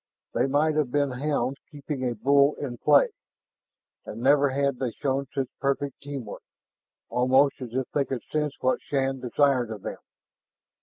They might have been hounds keeping a bull in play. And never had they shown such perfect team work, almost as if they could sense what Shann desired of them.